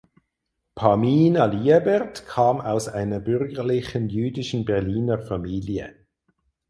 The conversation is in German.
Pamina Liebert kam aus einer bürgerlichen jüdischen Berliner Familie.